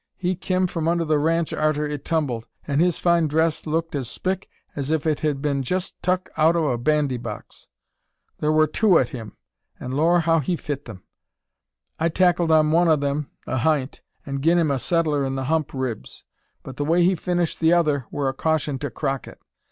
He kim from under the ranche, arter it tumbled; an' his fine dress looked as spick as ef it had been jest tuk out o' a bandy box. Thur wur two at him, an', Lor'! how he fit them! I tackled on to one o' them ahint, an' gin him a settler in the hump ribs; but the way he finished the other wur a caution to Crockett.